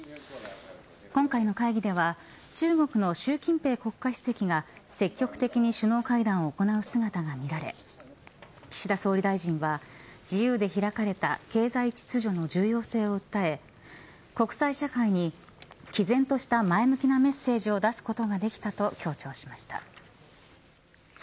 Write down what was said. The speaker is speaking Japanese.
今回の会議では中国の習近平国家主席が積極的に首脳会談を行う姿が見られ岸田総理大臣は自由で開かれた経済秩序の重要性を訴え国際社会に毅然とした前向きなメッセージを出すことができたと強調しました。